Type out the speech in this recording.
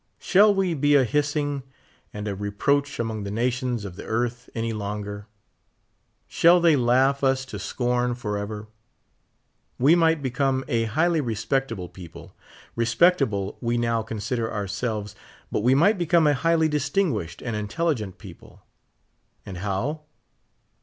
Shall we be a hissing and a reproach among the nations of the earth any longer? Shall they laugh us to scorn forever? 'We might ])ecome a highly respectable people ; respectable we now consider ourselves, but we might become a highly distinguished and intelligent peoi)le. And how